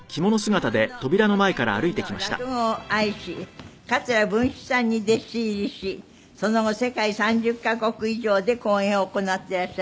日本の古典芸能落語を愛し桂文枝さんに弟子入りしその後世界３０カ国以上で公演を行っていらっしゃいました。